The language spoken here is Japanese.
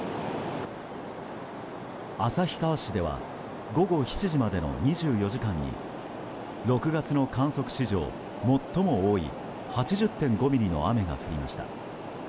旭川市では午後７時までの２４時間に６月の観測史上最も多い８０．５ミリの雨が降りました。